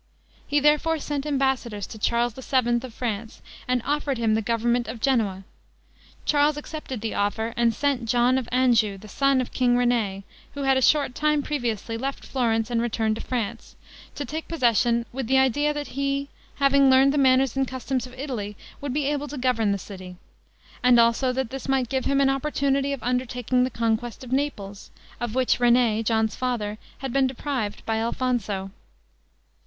He therefore sent ambassadors to Charles VII. of France, and offered him the government of Genoa. Charles accepted the offer, and sent John of Anjou, the son of King René, who had a short time previously left Florence and returned to France, to take possession with the idea, that he, having learned the manners and customs of Italy, would be able to govern the city; and also that this might give him an opportunity of undertaking the conquest of Naples, of which René, John's father, had been deprived by Alfonso.